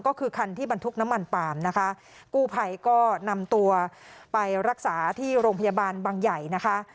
ก็คือคันที่บรรทุกน้ำมันปาล์มนะคะกู้ภัยก็นำตัวไปรักษาที่โรงพยาบาลบางใหญ่นะคะ